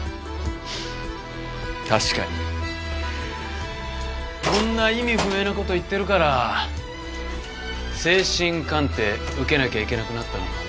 フフ確かにこんな意味不明な事言ってるから精神鑑定受けなきゃいけなくなったのかも。